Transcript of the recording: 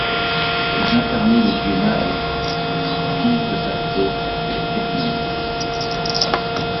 Ils incarnaient le dieu Mahès, fils de Bastet et Sekhmet.